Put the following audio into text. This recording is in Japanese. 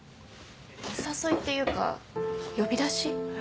お誘いっていうか呼び出し？